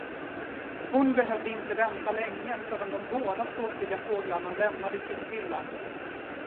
Hon behövde inte vänta länge, förrän de båda ståtliga fåglarna lämnade klipphyllan.